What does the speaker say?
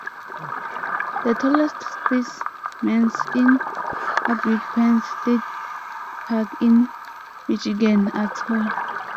The tallest specimens in Hartwick Pines State Park in Michigan are tall.